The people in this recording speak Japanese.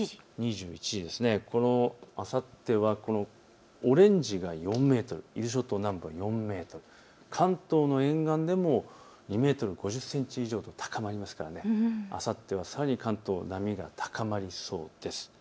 あさってはオレンジが４メートル、伊豆諸島が４メートル、関東の沿岸でも２メートル５０センチ以上、高まりますからあさってはさらに関東、波が高まりそうです。